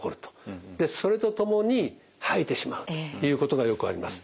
それとともに吐いてしまうということがよくあります。